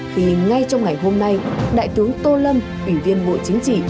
thì ngay trong ngày hôm nay đại tướng tô lâm ủy viên bộ chính trị